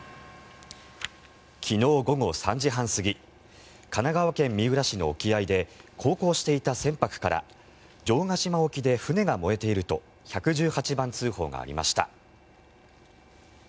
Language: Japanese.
昨日午後３時半過ぎ神奈川県三浦市の沖合で航行していた船舶から城ケ島沖で船が燃えていると１１８番通報がありました。